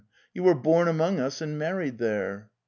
... You were born among us/and married there